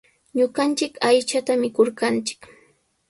Ñuqanchik aychata mikurqanchik.